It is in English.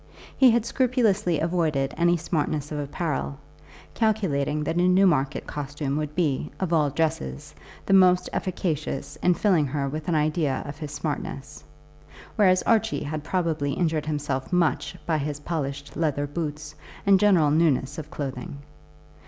He had scrupulously avoided any smartness of apparel, calculating that a Newmarket costume would be, of all dresses, the most efficacious in filling her with an idea of his smartness; whereas Archie had probably injured himself much by his polished leather boots, and general newness of clothing.